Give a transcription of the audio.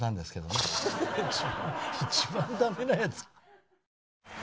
一番ダメなやつ。